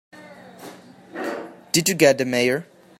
Did you get the Mayor?